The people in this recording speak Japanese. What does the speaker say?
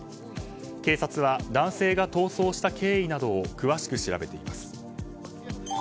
警察は男性が逃走した経緯などを詳しく調べています。